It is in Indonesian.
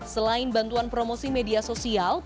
selain bantuan promosi media sosial